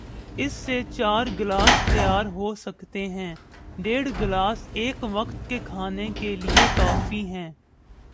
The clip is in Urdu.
اس سے چار گلاس تیار ہوسکتے ہیں، ڈیڑھ گلاس ایک وقت کے کھانے کے لئے کافی ہیں۔